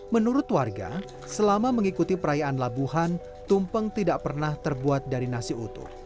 menurut warga selama mengikuti perayaan labuhan tumpeng tidak pernah terbuat dari nasi utuh